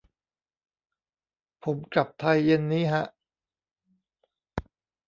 ผมกลับไทยเย็นนี้ฮะ